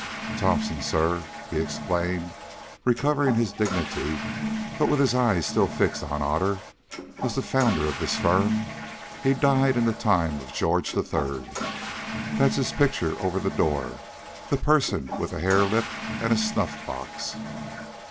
Thomson, sir," he explained, recovering his dignity, but with his eyes still fixed on Otter, "was the founder of this firm; he died in the time of George III. That is his picture over the door—the person with a harelip and a snuffbox."